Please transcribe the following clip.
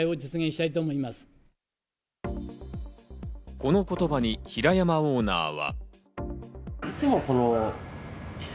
この言葉に平山オーナーは。